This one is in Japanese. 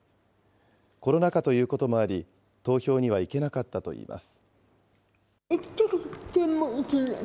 コロナ禍ということもあり、投票には行けなかったといいます。